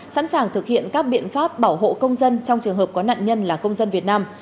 sẵn sàng thực hiện các biện pháp bảo hộ công dân trong trường hợp có nạn nhân là công dân việt nam